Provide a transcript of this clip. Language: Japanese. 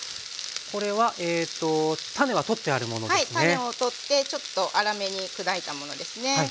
種を取ってちょっと粗めに砕いたものですね。